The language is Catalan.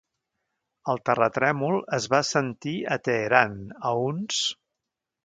El terratrèmol es va sentir a Teheran, a uns (...)